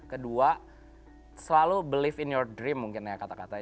kedua selalu believe in your dream mungkin ya kata katanya